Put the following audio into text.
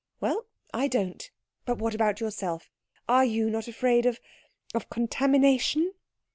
"Well, I don't. But what about yourself? Are you not afraid of of contamination?"